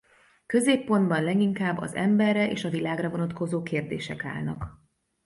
Középpontban leginkább az emberre és a világra vonatkozó kérdések állnak.